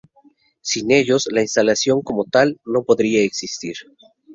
Sin ellos, la instalación como tal, no podría existir.